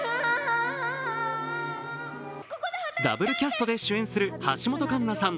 ダブルキャストで主演する橋本環奈さん